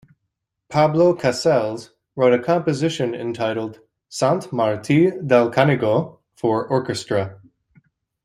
Pablo Casals wrote a composition entitled "Sant Marti Del Canigo" for Orchestra.